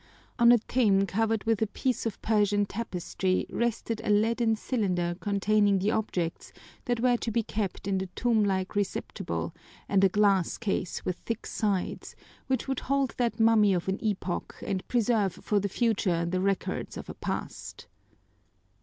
On a tame covered with a piece of Persian tapestry rested a leaden cylinder containing the objects that were to be kept in the tomb like receptacle and a glass case with thick sides, which would hold that mummy of an epoch and preserve for the future the records of a past.